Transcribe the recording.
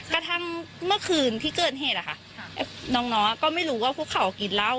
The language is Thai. กระทั่งเมื่อคืนที่เกิดเหตุน้องก็ไม่รู้ว่าพวกเขากินเหล้า